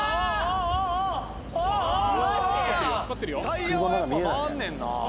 タイヤはやっぱ回んねんなぁ。